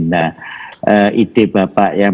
nah ide bapak yang